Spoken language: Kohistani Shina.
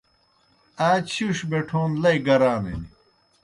آ چِھیݜ بیٹھون لئی گرانِن۔